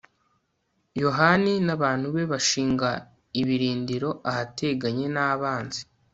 yohani n'abantu be bashinga ibirindiro ahateganye n'abanzi